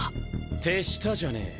手下じゃねえ。